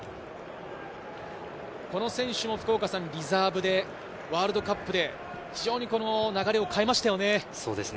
この選手もリサーブでワールドカップで非常に流れを変えましたよね。